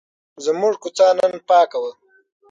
زموږ کوڅه نن پاکه وه.